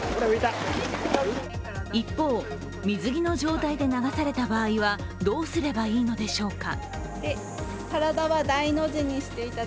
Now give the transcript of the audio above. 一方、水着の状態で流された場合はどうすればいいのでしょうか。